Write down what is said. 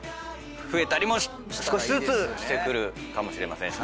増えたりも少しずつしてくるかもしれませんしね。